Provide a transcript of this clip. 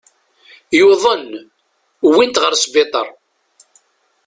Yuḍen, uwin-t ɣer sbiṭer.